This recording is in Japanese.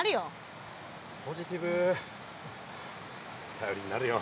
頼りになるよ。